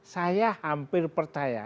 saya hampir percaya